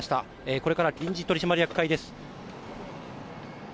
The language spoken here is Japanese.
これから臨時取締役会です。